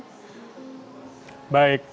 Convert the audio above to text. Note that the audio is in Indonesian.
baik terima kasih atas laporan